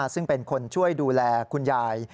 ซึ่งเป็นคนช่วยดูแลคุณยาย